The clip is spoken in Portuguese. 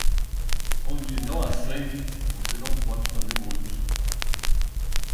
Onde não há sangue, você não pode fazer molhos.